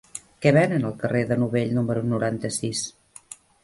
Què venen al carrer de Novell número noranta-sis?